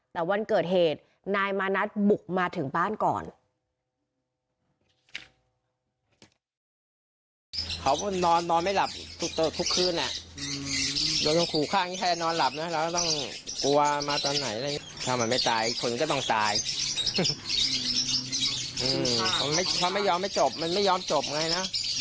แต่วันเกิดเหตุนายมานัดบุกมาถึงบ้านก่อน